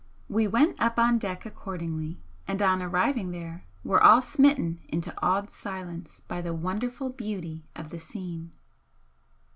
We went up on deck accordingly, and on arriving there were all smitten into awed silence by the wonderful beauty of the scene.